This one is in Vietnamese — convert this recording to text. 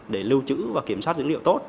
để lưu trữ và kiểm soát dữ liệu tốt